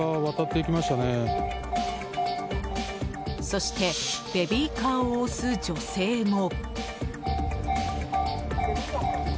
そしてベビーカーを押す女性も。